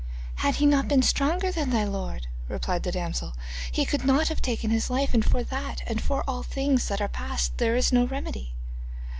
'Had he not been stronger than thy lord,' replied the damsel, 'he could not have taken his life, and for that, and for all things that are past, there is no remedy.